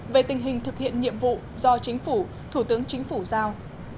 về tình hình thực hiện nhiệm vụ do chính phủ thủ tướng chính phủ giao